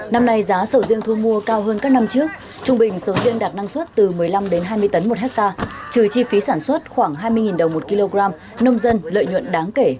năm nay giá sầu riêng thu mua cao hơn các năm trước trung bình sầu riêng đạt năng suất từ một mươi năm đến hai mươi tấn một hectare trừ chi phí sản xuất khoảng hai mươi đồng một kg nông dân lợi nhuận đáng kể